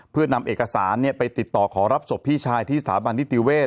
เพื่อนำเอกสารไปติดต่อขอรับศพพี่ชายที่สถาบันนิติเวศ